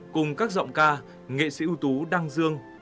cùng các giọng ca nghệ sĩ ưu tú đăng dương